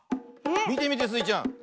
みてみてスイちゃん。